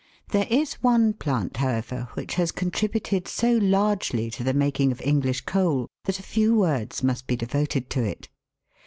There is one plant, however, which has contributed so largely to the making of English coal that a few words must be devoted to it.